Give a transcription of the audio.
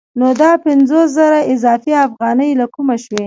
نو دا پنځوس زره اضافي افغانۍ له کومه شوې